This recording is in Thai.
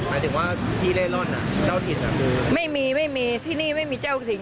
หมายถึงว่าที่เล่ร่อนอ่ะเจ้าถิ่นอ่ะคือไม่มีไม่มีที่นี่ไม่มีเจ้าถิ่น